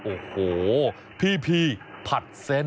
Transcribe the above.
โอ้โหพี่ผัดเส้น